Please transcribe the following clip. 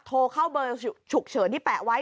โทรเข้าเบอร์ฉุกเฉินที่แปะไว้